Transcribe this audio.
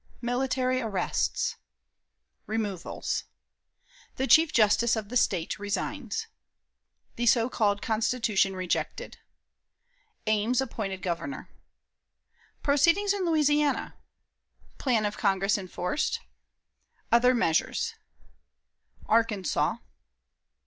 Military Arrests. Removals. The Chief Justice of the State resigns. The So called Constitution rejected. Ames appointed Governor. Proceedings in Louisiana. Plan of Congress enforced. Other Measures. Arkansas.